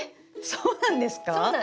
そうなんです。